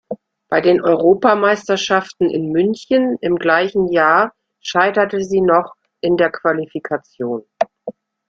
Bei den Europameisterschaften in München im gleichen Jahr scheiterte sie noch in der Qualifikation.